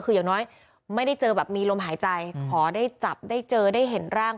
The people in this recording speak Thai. คืออย่างน้อยไม่ได้เจอแบบมีลมหายใจขอได้จับได้เจอได้เห็นร่าง